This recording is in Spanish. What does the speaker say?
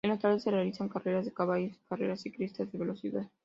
En la tarde se realizan carreras de caballos y carreras ciclistas de velocidad.